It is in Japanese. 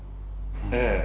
ええ。